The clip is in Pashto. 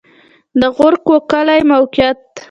د غورک کلی موقعیت